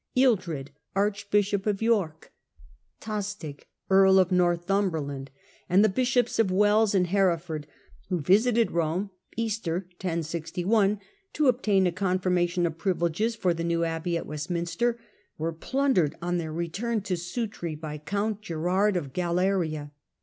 Ealdred, archbishop of York, Tostig, earl of Northum berland, and the bishops of Wells and Hereford, who visited Some (Easter, 1061) to obtain a confirmation of privileges for the new abbey at Westminster, were plundered on their return at Sutri by count Girard of Galeria.